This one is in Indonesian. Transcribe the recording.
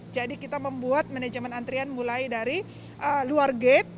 jadi kita membuat manajemen antrean mulai dari luar gate